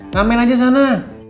ngamen aja sana